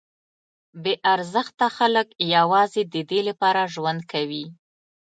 بې ارزښته خلک یوازې ددې لپاره ژوند کوي.